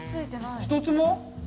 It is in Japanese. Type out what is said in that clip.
１つも？